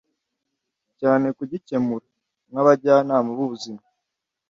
cyane kugikemura. nk'abajyanama b'ubuzima